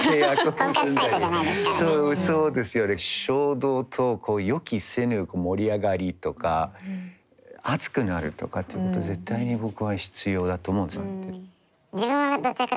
そうですよね衝動と予期せぬ盛り上がりとか熱くなるとかっていうこと絶対に僕は必要だと思うんです。